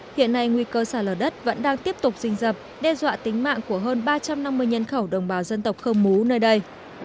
hiện nay nguy cơ sạt lở đất vẫn đang tiếp tục rình rập đe dọa tính mạng của hơn ba trăm năm mươi nhân khẩu đồng bào dân tộc khơ mú nơi đây